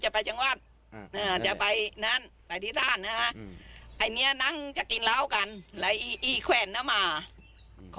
พอไอ้นั้นจอดไอ้สั๊กไอ้คนตายเนี่ยจอดรถมันก็